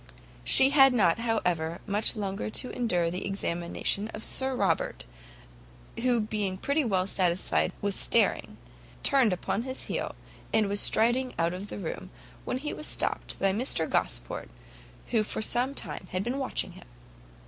She had not, however, much longer to endure the examination of Sir Robert, who being pretty well satisfied with staring, turned upon his heel, and was striding out of the room, when he was stopt by Mr Gosport, who for some time had been watching him.